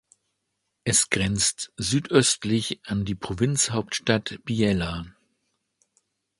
Es grenzt südöstlich an die Provinzhauptstadt Biella.